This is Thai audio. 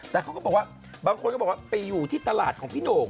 แต่เขาก็บอกว่าบางคนก็บอกว่าไปอยู่ที่ตลาดของพี่โด่ง